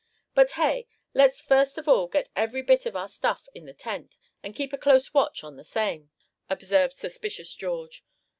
"But hey, let's first of all get every bit of our stuff in the tent, and keep a close watch on the same," observed suspicious George.